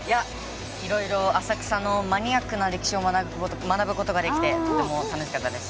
いろいろ、浅草のマニアックな歴史を学ぶことができてとても楽しかったです。